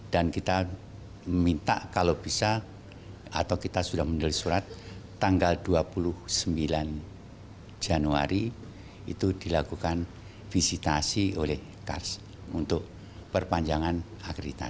dan kita minta kalau bisa atau kita sudah menulis surat tanggal dua puluh sembilan januari itu dilakukan visitasi oleh kars untuk perpanjangan akreditasi